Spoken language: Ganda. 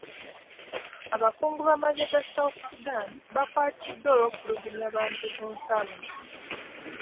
Abakungu b'amagye ga south Sudan baakwatiddwa olw'okutulugunya bantu ku nsalo.